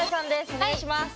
お願いします。